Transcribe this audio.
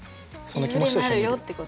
いずれなるよってこと。